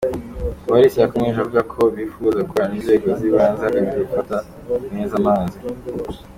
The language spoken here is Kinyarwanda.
Kabalisa yakomeje avuga ko bifuza gukorana n’inzego z’ibanze hagamijwe gufata neza amazi.